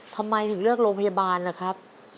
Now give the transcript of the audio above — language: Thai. ทำไมถึงเลือกโรงพยาบาลล่ะครับ